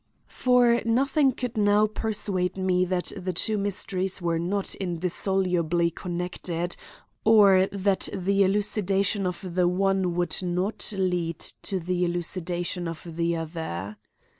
For nothing could now persuade me that the two mysteries were not indissolubly connected, or that the elucidation of the one would not lead to the elucidation of the other.